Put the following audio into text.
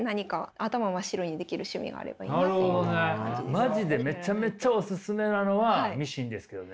マジでめちゃめちゃお勧めなのはミシンですけどね。